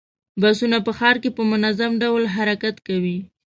بسونه په ښار کې په منظم ډول حرکت کوي.